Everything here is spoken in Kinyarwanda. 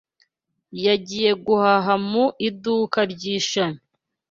Yagiye guhaha mu iduka ry’ishami.